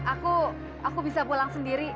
aku aku bisa pulang sendiri